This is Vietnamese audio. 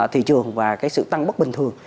thị trường và sự tăng bất bình thường